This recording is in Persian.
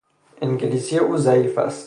انگلیسی او ضعیف است.